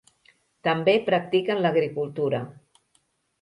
També practiquen l'agricultura.